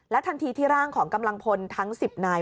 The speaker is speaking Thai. ทันทีที่ร่างของกำลังพลทั้ง๑๐นาย